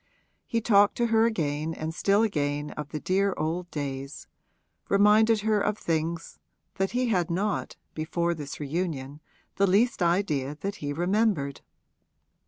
He talked to her again and still again of the dear old days reminded her of things that he had not (before this reunion) the least idea that he remembered.